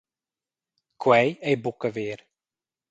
Quei ei buca ver.